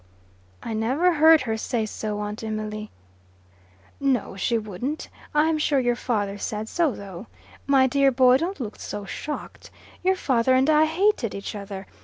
"I never heard her say so, Aunt Emily." "No; she wouldn't. I am sure your father said so, though. My dear boy, don't look so shocked. Your father and I hated each other.